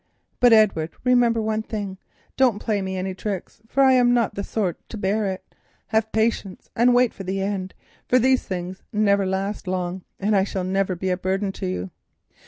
But, Edward, remember one thing. Don't play me any tricks, for I am not of the sort to bear it. Have patience and wait for the end; these things cannot last very long, and I shall never be a burden on you.